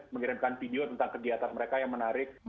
mengirimkan video tentang kegiatan mereka yang menarik